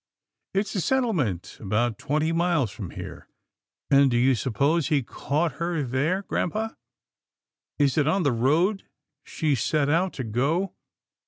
" It's a settlement about twenty miles from here." " And do you suppose he caught her there, grampa? — is it on the road she set out to go?